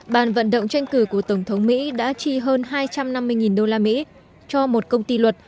bàn vận động tranh cử của tổng thống mỹ đã chi hơn hai trăm năm mươi đô la mỹ cho một công ty luật